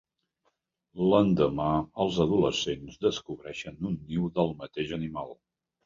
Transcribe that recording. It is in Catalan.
L'endemà, els adolescents descobreixen un niu del mateix animal.